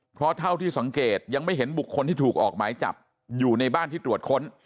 เพราะเท่าที่สังเกตยังไม่เห็นบุคคลที่ถูกออกหมายจับอยู่ในบ้านที่ตรวจค้น